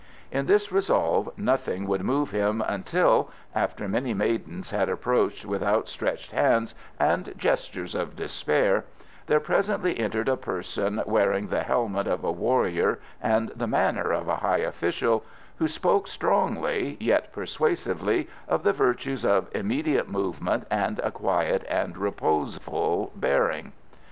In this resolve nothing would move him, until after many maidens had approached with outstretched hands and gestures of despair there presently entered a person wearing the helmet of a warrior and the manner of a high official, who spoke strongly, yet persuasively, of the virtues of immediate movement and a quiet and reposeful bearing.